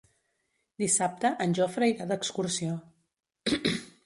Dissabte en Jofre irà d'excursió.